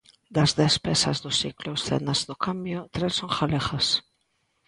Das dez pezas do ciclo Escenas do cambio, tres son galegas.